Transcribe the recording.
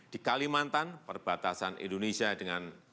di kalimantan perbatasan indonesia dengan